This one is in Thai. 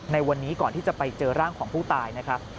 ในวันนี้ก่อนที่จะไปเจอร่างของผู้ตายนะครับ